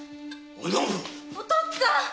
お父っつぁん！